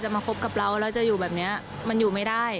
มันอยู่ไม่ได้